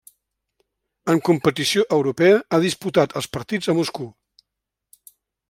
En competició europea ha disputat els partits a Moscou.